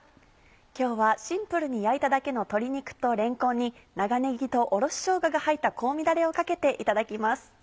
今日はシンプルに焼いただけの鶏肉とれんこんに長ねぎとおろししょうがが入った香味だれをかけていただきます。